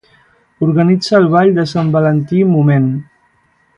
Organitza el ball de Sant Valentí "Moment".